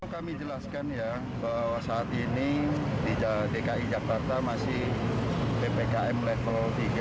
kami jelaskan ya bahwa saat ini di dki jakarta masih ppkm level tiga